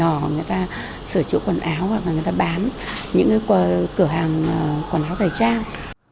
nhỏ người ta sửa chữa quần áo hoặc là người ta bán những cửa hàng quần áo thời trang